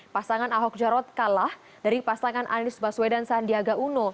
pasangan ahok jarot kalah dari pasangan anies baswedan sandiaga uno